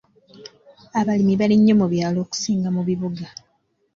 Abalimi bali nnyo mu byalo okusinga mu bibuga.